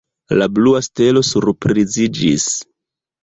La blua stelo surpriziĝis.